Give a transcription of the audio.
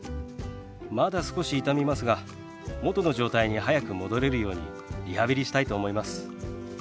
まだ少し痛みますが元の状態に早く戻れるようにリハビリしたいと思います。